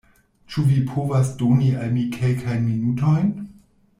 Ĉu vi povas doni al mi kelkajn minutojn?